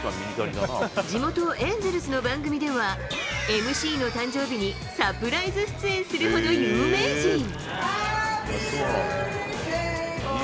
地元、エンゼルスの番組では、ＭＣの誕生日にサプライズ出演するほど有名人。